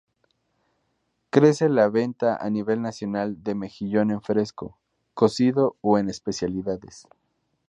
Crece la venta a nivel nacional de mejillón en fresco, cocido o en especialidades.